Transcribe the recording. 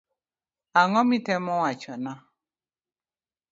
Ang'o mitemo wachona.